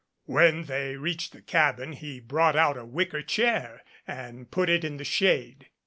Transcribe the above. When they reached the cabin he brought out a wicker chair and put it in the shade.